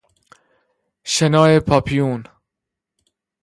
شنا پاپیون